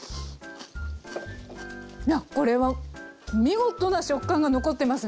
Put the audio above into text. いやこれは見事な食感が残ってますね。